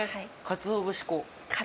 かつお節粉。